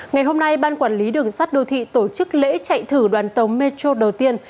ngày hôm nay ban quản lý đường sắt đô thị tổ chức lễ chạy thử đoàn tàu metro đầu tiên